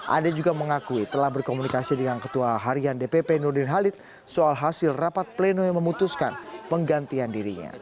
ade juga mengakui telah berkomunikasi dengan ketua harian dpp nurdin halid soal hasil rapat pleno yang memutuskan penggantian dirinya